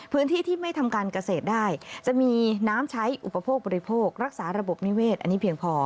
พื้นที่ที่ไม่ทำการเกษตรได้จะมีน้ำใช้อุปโภคบริโภครักษาระบบนิเวศอันนี้เพียงพอ